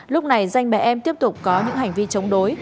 lúc này danh bé em tiếp tục có những hành vi chống đối